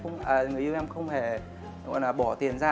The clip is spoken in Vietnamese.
người yêu em không hề bỏ tiền ra